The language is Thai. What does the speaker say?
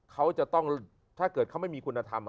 เขาจะต้องถ้าเกิดเขาไม่มีคุณธรรม